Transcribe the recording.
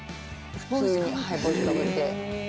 普通に帽子かぶって。